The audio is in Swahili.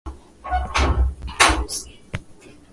mkulima lazima kuandaa shamba kabla ya kupanda viazi